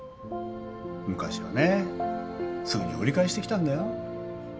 昔はねすぐに折り返してきたんだよ。